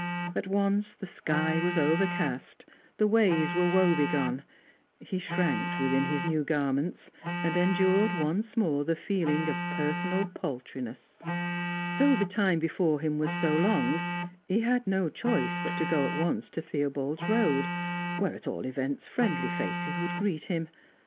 At once the sky was overcast, the ways were woebegone; he shrank within his new garments, and endured once more the feeling of personal paltriness. Though the time before him was so long, he had no choice but to go at once to Theobald's Road, where at all events friendly faces would greet him.